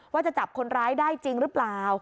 ว่าจะจับคนร้ายได้จริงหรือเปล่า